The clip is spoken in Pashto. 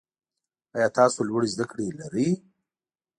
آیا تاسو لوړي زده کړي لرئ؟